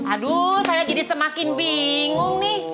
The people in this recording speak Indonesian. aduh saya jadi semakin bingung nih